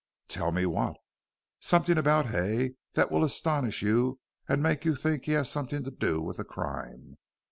"Tell me what?" "Something about Hay that will astonish you and make you think he has something to do with the crime.